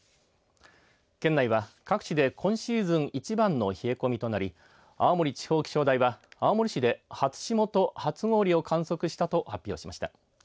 県内は各地で今シーズン一番の冷え込みとなり青森地方気象台は青森市で初霜と初氷を観測したと発表しました。